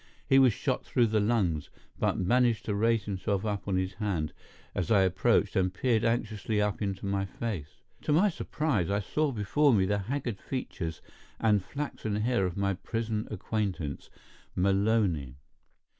He was shot through the lungs, but managed to raise himself up on his hand as I approached, and peered anxiously up into my face. To my surprise, I saw before me the haggard features and flaxen hair of my prison acquaintance, Maloney.